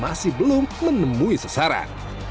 masih belum menemui sesaran